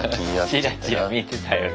チラチラ見てたよね。